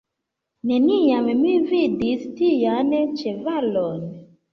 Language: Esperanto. Neniam mi vidis tian ĉevalon!